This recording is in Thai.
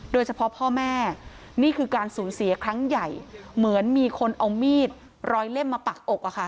พ่อแม่นี่คือการสูญเสียครั้งใหญ่เหมือนมีคนเอามีดร้อยเล่มมาปักอกอะค่ะ